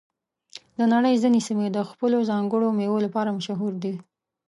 د نړۍ ځینې سیمې د خپلو ځانګړو میوو لپاره مشهور دي.